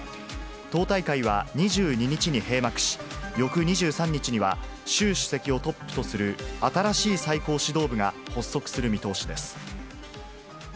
党大会は２２日に閉幕し、翌２３日には、習主席をトップとする新しい最高指導部が発足する見通しです。